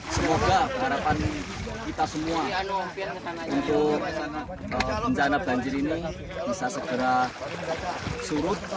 semoga harapan kita semua untuk bencana banjir ini bisa segera surut